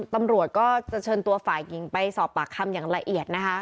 ตำรวจก็จะเชิญตัวฝ่ายหญิงไปสอบปากคำอย่างละเอียดนะคะ